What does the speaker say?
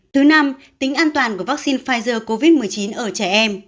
thứ năm tính an toàn của vaccine pfizer covid một mươi chín ở trẻ em